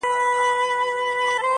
• له ډېر غمه یې څښتن سو فریشانه..